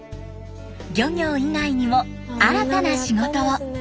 漁業以外にも新たな仕事を。